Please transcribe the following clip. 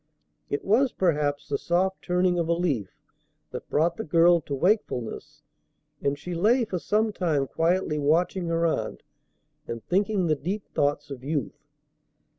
It was perhaps the soft turning of a leaf that brought the girl to wakefulness, and she lay for some time quietly watching her aunt and thinking the deep thoughts of youth.